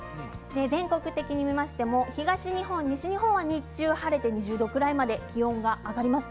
全国的に見ましても東日本、西日本は日中晴れて２０度くらいまで気温が上がります。